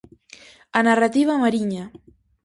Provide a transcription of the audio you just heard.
A narrativa mariña.